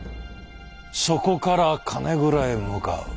そこから金蔵へ向かう。